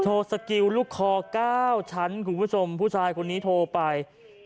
สกิลลูกคอ๙ชั้นคุณผู้ชมผู้ชายคนนี้โทรไป